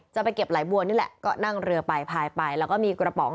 จะไปเก็บไหลบัวนี่แหละก็นั่งเรือไปพายไปแล้วก็มีกระป๋อง